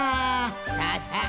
さあさあ